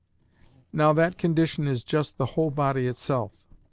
Now that condition is just the whole body itself.